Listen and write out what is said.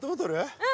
うん。